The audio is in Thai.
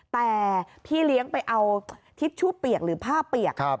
แต่พี่เลี้ยงไปเอาทิชชู่เปียกหรือผ้าเปียก